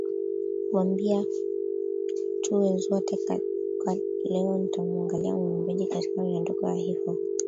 wambia tuwe zote kwa leo nitamwangalia muimbaji katika miondoko ya hip hop